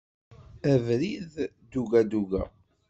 Abrid duga duga.